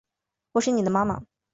我是妳的妈妈